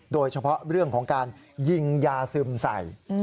โดยเฉพาะเรื่องของการยิงยาซึมใส่